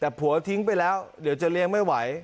แต่ผัวทิ้งไปแล้วเดี๋ยวจะเลี้ยงไม่ไหว